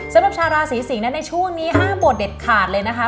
สำหรับชาวราศีสิงศ์ในช่วงนี้ห้ามบวชเด็ดขาดเลยนะคะ